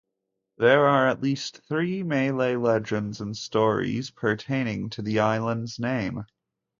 There are at least three Malay legends and stories pertaining to the island's name.